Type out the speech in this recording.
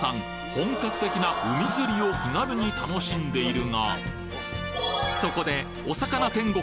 本格的な海釣りを気軽に楽しんでいるがそこでお魚天国